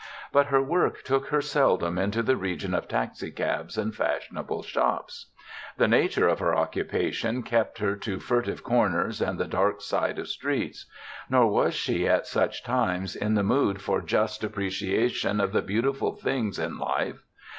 But her work took her seldom into the region of taxicabs and fashionable shops. The nature of her occupation kept her to furtive corners and the dark side of streets. Nor was she at such times in the mood for just appreciation of the beautiful things in life.